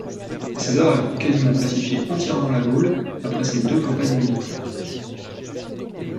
César a quasiment pacifié entièrement la Gaule après ces deux campagnes militaires.